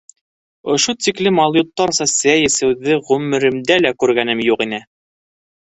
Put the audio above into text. — Ошо тиклем алйоттарса сәй әсеүҙе ғүмеремдә лә күргәнем юҡ ине!